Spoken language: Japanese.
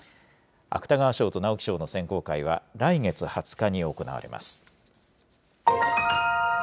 芥川賞と直木賞の選考会は、来月２０日に行われます。